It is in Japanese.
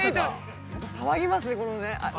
◆騒ぎますね。